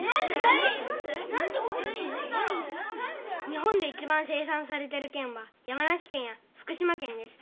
日本でいちばん生さんされてるけんは山梨けんや福島けんです。